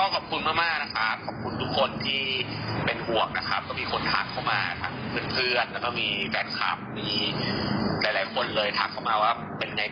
กำลังฟับอยู่ไม่มีกล้อง